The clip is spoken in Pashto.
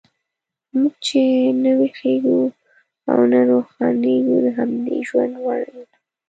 موږ چې نه ویښیږو او نه روښانیږو، د همدې ژوند وړ یو.